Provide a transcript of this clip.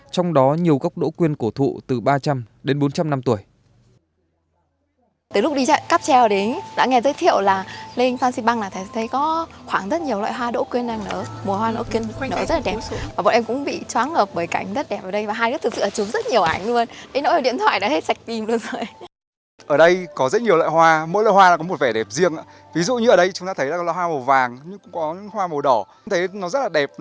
trong đó nhiều góc đỗ quyên cổ thụ từ ba trăm linh đến bốn trăm linh năm tuổi